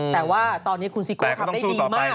แต่ว่าตอนนี้คุณซิโก้ทำได้ดีมาก